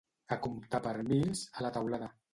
A comptar per mils, a la teulada.